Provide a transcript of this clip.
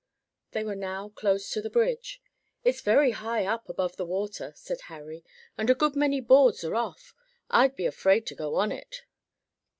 They were now close to the bridge. "It's very high up above the water," said Harry, "and a good many boards are off: I'd be afraid to go on it."